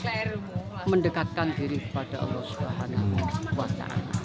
saya mendekatkan diri kepada allah swt